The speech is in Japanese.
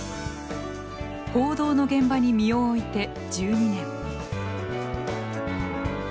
報道の現場に身を置いて１２年。